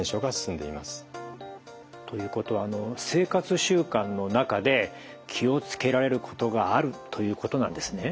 ということは生活習慣の中で気を付けられることがあるということなんですね。